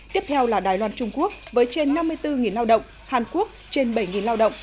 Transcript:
tiếp theo là đài loan trung quốc với trên năm mươi bốn lao động hàn quốc trên bảy lao động